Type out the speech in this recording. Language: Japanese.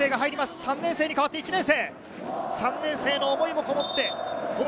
３年生に代わって１年生。